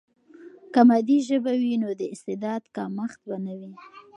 که مادي ژبه وي، نو د استعداد کمښت به نه وي.